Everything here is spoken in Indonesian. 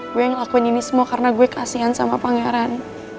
gue ngelakuin ini semua karena gue kasian sama pangeran